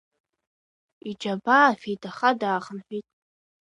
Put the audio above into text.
Иџьабаа феидаха даахынҳәит.